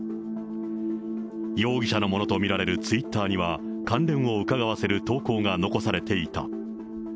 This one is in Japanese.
容疑者のものと見られるツイッターには、関連をうかがわせる投稿が残されていた。